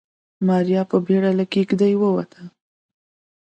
ماريا په بيړه له کېږدۍ ووته.